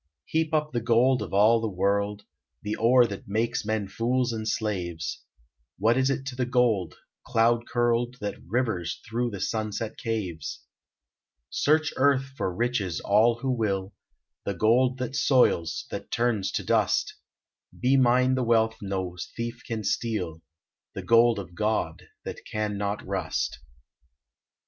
Heap up the gold of all the world, The ore that makes men fools and slaves; What is it to the gold, cloud curled, That rivers through the sunset's caves! Search Earth for riches all who will, The gold that soils, that turns to dust Be mine the wealth no thief can steal, The gold of God that can not rust.